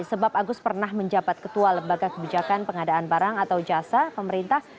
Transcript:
sebab agus pernah menjabat ketua lembaga kebijakan pengadaan barang atau jasa pemerintah